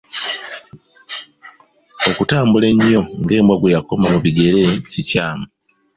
Okutambula ennyo ng’embwa gwe yakomba mu bigere kikyamu.